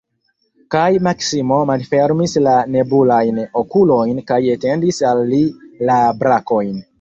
Kaj Maksimo malfermis la nebulajn okulojn kaj etendis al li la brakojn.